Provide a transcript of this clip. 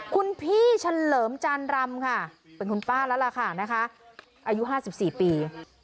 คุณพี่เฉลิมจานรำค่ะเป็นคุณป้าแล้วล่ะค่ะนะคะอายุ๕๔ปี